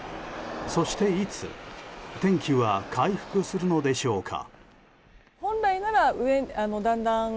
そして、いつ天気は回復するのでしょうか。